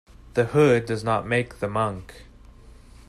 The hood does not make the monk.